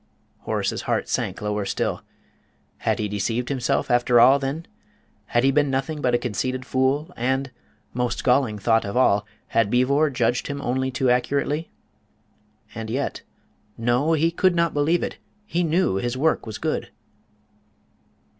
Horace's heart sank lower still; had he deceived himself after all, then? Had he been nothing but a conceited fool, and most galling thought of all had Beevor judged him only too accurately? And yet, no, he could not believe it he knew his work was good!